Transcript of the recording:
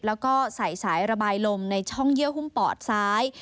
แล้วก็ใส่สายระบายลมในช่องเยื่อหุ้มปอดซ้าย